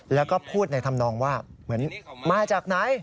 แล้วก็พูดในธรรมนองว่าเหมือนมาจากไหน